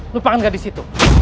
lupakan gadis itu